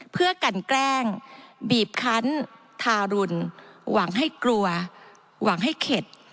เพื่อกันแกล้งบีบคันทารุณหวังให้กลัวหวังให้เข็ด